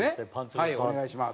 はいお願いします。